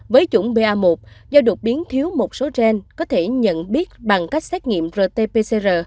với chủng ba do đột biến thiếu một số gen có thể nhận biết bằng cách xét nghiệm rt pcr